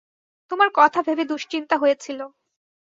তোমার কথা ভেবে দুঃশ্চিন্তা হয়েছিল।